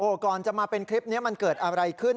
ก่อนจะมาเป็นคลิปนี้มันเกิดอะไรขึ้น